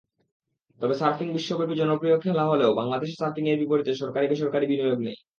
তবে সার্ফিং বিশ্বব্যাপী জনপ্রিয় খেলা হলেও বাংলাদেশে সার্ফিংয়ের বিপরীতে সরকারি-বেসরকারি বিনিয়োগ নেই।